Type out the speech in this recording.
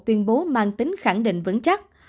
tuyên bố mang tính khẳng định vấn chắc